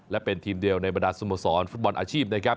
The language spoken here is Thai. และเป็นทีมเดียวในบรรดาสโมสรฟุตบอลอาชีพนะครับ